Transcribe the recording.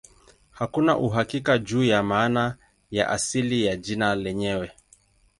Hakuna uhakika juu ya maana ya asili ya jina lenyewe.